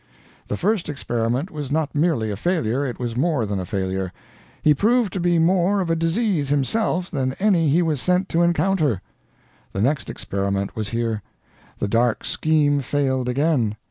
The first experiment was not merely a failure, it was more than a failure. He proved to be more of a disease himself than any he was sent to encounter. The next experiment was here. The dark scheme failed again.